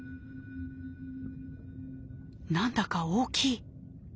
なんだか大きい。